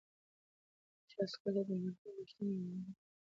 پاچا عسکرو ته د مرغۍ د غوښتنې د عملي کولو امر وکړ.